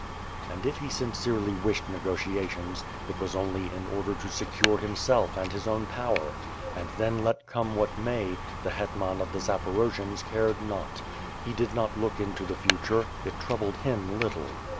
And if he sincerely wished negotiations, it was only in order to secure himself and his own power; and then let comd what may, the hetman of the Zaporojians cared not. He did not look into the future, it troubled him little.